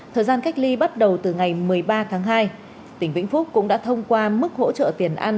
thời gian cách ly bắt đầu từ ngày một mươi ba tháng hai tỉnh vĩnh phúc cũng đã thông qua mức hỗ trợ tiền ăn